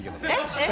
えっ？